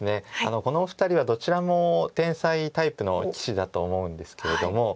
このお二人はどちらも天才タイプの棋士だと思うんですけれども。